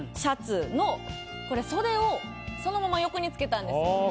袖をそのまま横につけたんです。